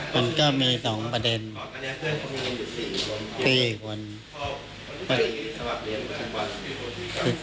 มันก็มีสองประเด็นพี่คนผู้อีก